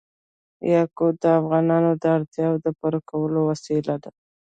یاقوت د افغانانو د اړتیاوو د پوره کولو وسیله ده.